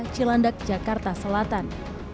cilandak jakarta selatan